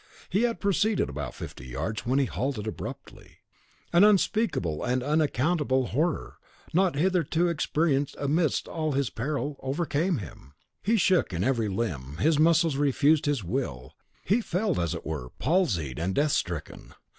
He had proceeded about fifty yards, when he halted abruptly; an unspeakable and unaccountable horror, not hitherto experienced amidst all his peril, came over him. He shook in every limb; his muscles refused his will, he felt, as it were, palsied and death stricken.